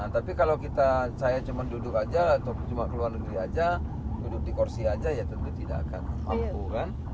tapi kalau kita cuman duduk saja atau cuma keluar negeri saja duduk di kursi saja ya tentu tidak akan mampu kan